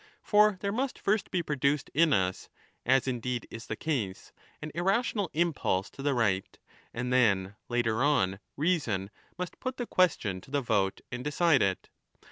For there must first be produced in 20 us (as indeed is the case) an irrational impulse to the right, and then later on reason must put the question to the vote and decide it.